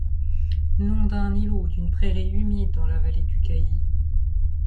Nom d'un îlot ou d'une prairie humide dans la vallée du Cailly.